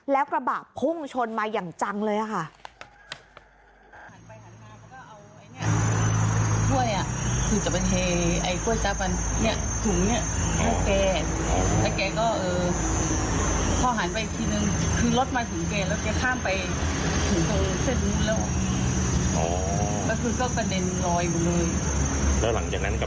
แล้วกระบะพุ่งชนมาอย่างจังเลยค่ะ